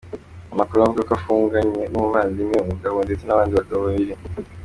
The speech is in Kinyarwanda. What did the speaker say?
Amakuru avuga ko afunganye n'umuvandimwe we w'umugabo ndetse n'abandi bagabo babiri.